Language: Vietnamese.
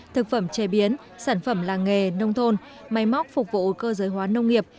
thực phẩm chế biến sản phẩm làng nghề nông thôn máy móc phục vụ cơ giới hóa nông nghiệp